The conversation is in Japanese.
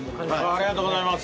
ありがとうございます。